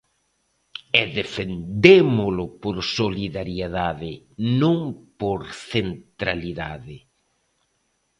E defendémolo por solidariedade, non por centralidade.